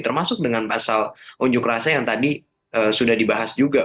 termasuk dengan pasal unjuk rasa yang tadi sudah dibahas juga